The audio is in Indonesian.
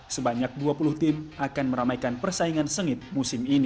sebanyak dua puluh tim akan meramaikan persaingan sengit musim ini